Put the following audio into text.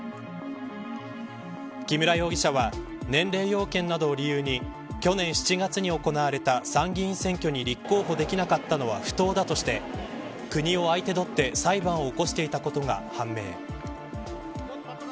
木村容疑者は年齢要件などを理由に去年７月に行われた参議院選挙に立候補できなかったのは不当だとして国を相手取って裁判を起こしていたことが判明。